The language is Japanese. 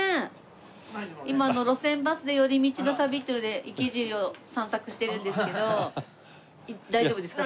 今『路線バスで寄り道の旅』っていうので池尻を散策してるんですけど大丈夫ですか？